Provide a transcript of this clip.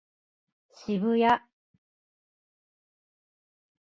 渋谷